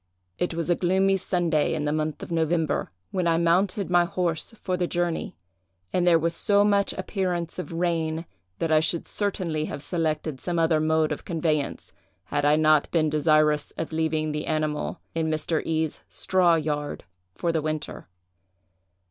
"It was a gloomy Sunday, in the month of November, when I mounted my horse for the journey, and there was so much appearance of rain, that I should certainly have selected some other mode of conveyance, had I not been desirous of leaving the animal in Mr. E——'s straw yard for the winter.